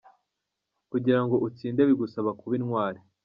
Kugira ngo utsinde bigusaba kuba intwari.